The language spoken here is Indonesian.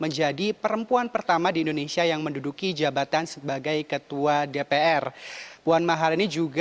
menjadi perempuan pertama di indonesia yang menduduki jabatan sebagai ketua dpr puan maharani juga